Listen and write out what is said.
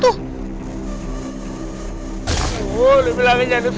tengkul ayah bisa gerak nih